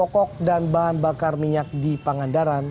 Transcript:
deden rahadian banjar